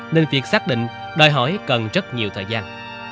nên việc xác định đòi hỏi cần rất nhiều thời gian